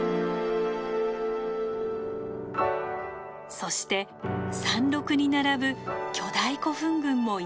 そして山麓に並ぶ巨大古墳群も一望できました。